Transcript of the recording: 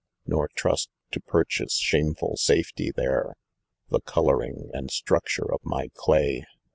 Nor trust, to purchase shameful safety there, The colouring and structure ormy clay.